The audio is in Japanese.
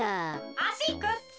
「あしくっさ！」。